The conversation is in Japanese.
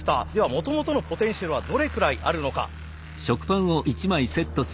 もともとのポテンシャルはどれくらいあるのか。